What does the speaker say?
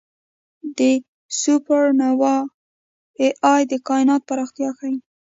د سوپرنووا Ia د کائنات پراختیا ښيي.